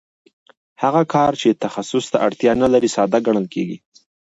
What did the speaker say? هغه کار چې تخصص ته اړتیا نلري ساده ګڼل کېږي